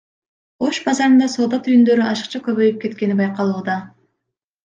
Ош базарында соода түйүндөрү ашыкча көбөйүп кеткени байкалууда.